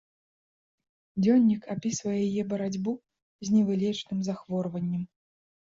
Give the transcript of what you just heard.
Дзённік апісвае яе барацьбу з невылечным захворваннем.